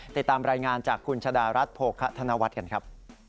ติดตามรายงานจากคุณชะดารัฐโภคะธนวัฒน์กันครับ